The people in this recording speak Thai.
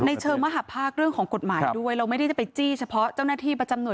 ในเชิงมหาภาคเรื่องของกฎหมายด้วยเราไม่ได้จะไปจี้เฉพาะเจ้าหน้าที่ประจำหน่วย